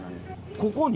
ここに？